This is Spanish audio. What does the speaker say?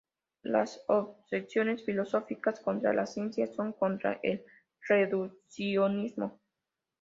Las objeciones filosóficas contra la ciencia son contra el reduccionismo.